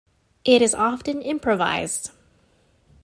It is often improvised.